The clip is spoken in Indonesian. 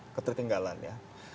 untuk tertinggalan ya